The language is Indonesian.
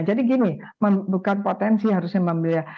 jadi gini bukan potensi yang harusnya memilih